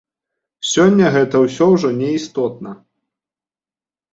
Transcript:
Сёння гэта ўсё ўжо не істотна.